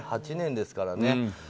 ８年ですからね。